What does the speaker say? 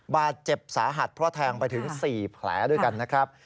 บาดเจ็บสาหัสเพราะแทงไปถึง๔แผลด้วยกันนะครับ